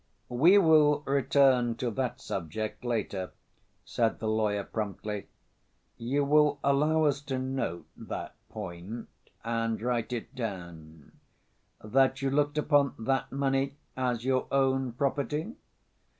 "We will return to that subject later," said the lawyer promptly. "You will allow us to note that point and write it down; that you looked upon that money as your own property?"